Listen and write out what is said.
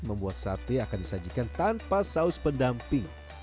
membuat sate akan disajikan tanpa saus pendamping